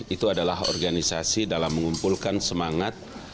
itu adalah organisasi dalam mengumpulkan semangat